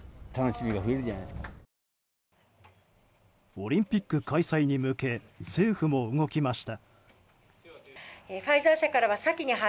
オリンピック開催に向け政府も動きました。